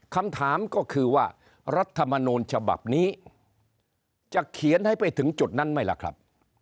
คำถามก็คือว่ารัฐมนูลฉบับนี้จะเขียนให้ไปถึงจุดนั้นไหมล่ะครับ